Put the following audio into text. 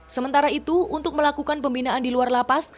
sementara itu untuk melakukan pembinaan di luar lapas